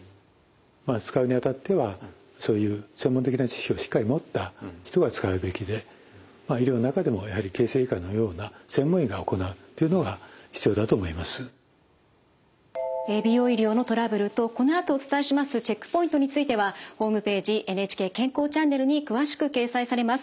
使うにあたってはそういう専門的な知識をしっかり持った人が使うべきで医療の中でもやはり美容医療のトラブルとこのあとお伝えしますチェックポイントについてはホームページ「ＮＨＫ健康チャンネル」に詳しく掲載されます。